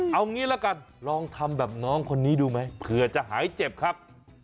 เอางี้ละกันลองทำแบบน้องคนนี้ดูไหมเผื่อจะหายเจ็บครับ